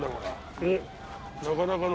えっ？